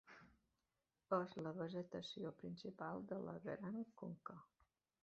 És la vegetació principal de la Gran Conca.